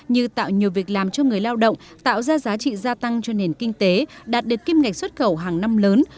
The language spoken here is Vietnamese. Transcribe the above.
như tạo nhiều việc làm cho người lao động tạo ra giá trị gia tăng cho nền kinh tế đạt được kim ngạch xuất khẩu hàng năm lớn